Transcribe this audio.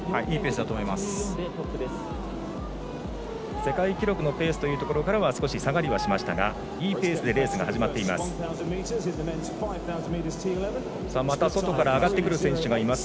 世界記録のペースからは少し下がりましたがいいペースでレースが始まっています。